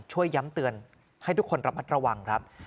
ช่วยย้ำเตือนให้ทุกคนระมัดระวังครับ